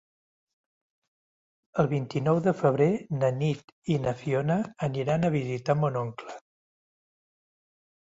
El vint-i-nou de febrer na Nit i na Fiona aniran a visitar mon oncle.